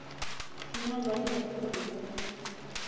نن به ډېره ښکلی ورځ وي